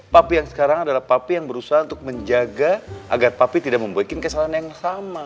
papi yang sekarang adalah papi yang berusaha untuk menjaga agar papi tidak membuat kesalahan yang sama